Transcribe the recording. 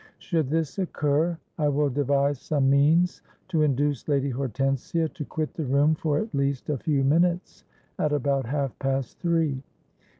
'—'Should this occur, I will devise some means to induce Lady Hortensia to quit the room for at least a few minutes, at about half past three.